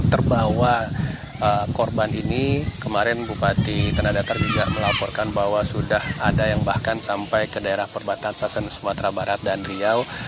tanah datar juga melaporkan bahwa sudah ada yang bahkan sampai ke daerah perbatasan sumatera barat dan riau